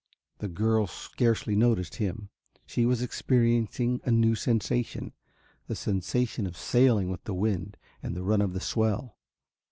The girl scarcely noticed him. She was experiencing a new sensation, the sensation of sailing with the wind and the run of the swell.